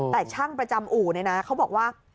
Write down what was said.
แต่ช่างประจัมอุนะเขาบอกว่า